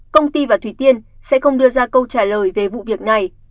công ty và thủy tiên sẽ không đưa ra câu trả lời về vụ việc này